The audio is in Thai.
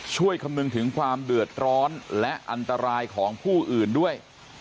คำนึงถึงความเดือดร้อนและอันตรายของผู้อื่นด้วย